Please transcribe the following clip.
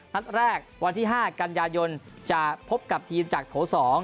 นัดแรกวันที่๕กันยายนจะพบกับทีมจากโถ๒